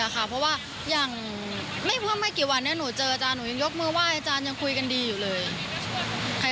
คิดว่ามันเป็นปัญหาระหว่างอาจารย์ก็มีปัญหากับอาจารย์คนอื่นหรือเปล่า